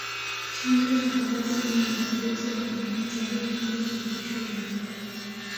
Chanzo cha habari hii ni gazeti la Monita linalochapishwa Uganda